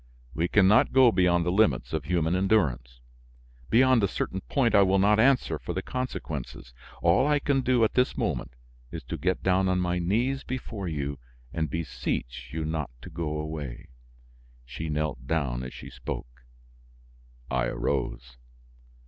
We can not go beyond the limits of human endurance. Beyond a certain point I will not answer for the consequences. All I can do at this moment is to get down on my knees before you and beseech you not to go away." She knelt down as she spoke. I arose.